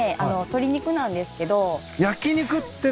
鶏肉なんですけど。